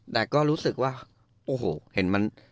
แต่ก็รู้สึกว่า